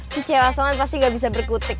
si cewek soalan pasti gak bisa berkutik